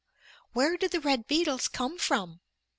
"Where did the red beetles come from?"